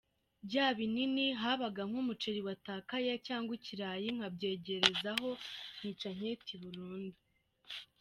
Bya binini habaga nk’umuceri watakaye cyangwa ikirayi nkabyegerezaho nkica anketi burundu.